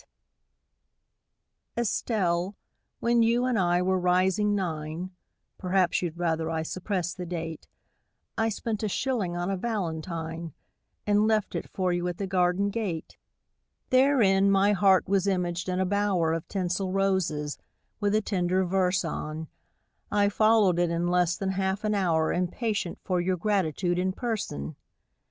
] ESTELLE, when you and I were rising nine Perhaps you'd rather I suppressed the date I spent a shilling on a valentine And left it for you at the garden gate. Therein my heart was imaged in a bower Of tinsel roses, with a tender verse on ; I followed it in less than half an hour Impatient for your gratitude in person.